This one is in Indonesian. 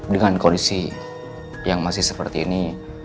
dengan kondisi yang masih seperti ini